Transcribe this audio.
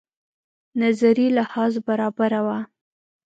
نظري لحاظ برابره وه.